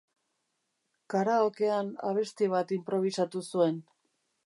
Karaokean abesti bat inprobisatu zuen.